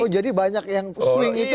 oh jadi banyak yang swing itu